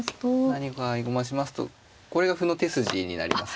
何か合駒しますとこれが歩の手筋になりますね。